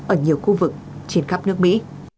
ở nhiều khu vực trên khắp nước mỹ